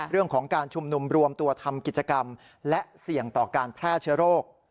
เรื่องของการชุมนุมรวมตัวทำกิจกรรมและเสี่ยงต่อการแพร่เชื้อโรค